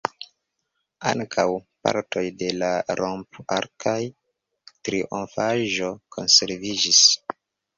Ankaŭ partoj de la romp-arkaj trionfaĵo konserviĝis.